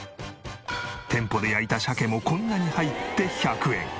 店舗で焼いたシャケもこんなに入って１００円。